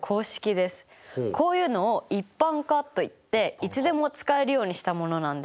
こういうのを「一般化」といっていつでも使えるようにしたものなんです。